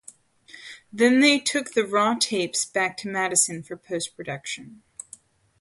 Then they took the raw tapes back to Madison for post production.